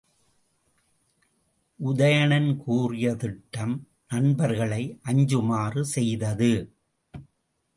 உதயணன் கூறிய திட்டம் நண்பர்களை அஞ்சுமாறு செய்தது.